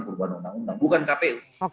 perubahan undang undang bukan kpu